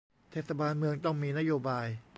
เทศบาลเมืองต้องมีนโยบาย